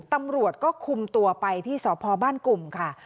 ตำรวจก็คุมตัวไปที่สพบ้านกลุ่มค่ะ